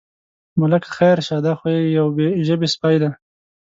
ملکه خیر شه، دا خو یو بې ژبې سپی دی.